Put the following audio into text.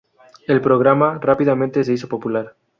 El programa rápidamente se hizo popular.